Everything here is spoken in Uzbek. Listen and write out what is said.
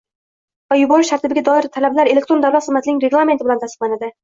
va yuborish tartibiga doir talablar elektron davlat xizmatining reglamenti bilan tasdiqlanadi.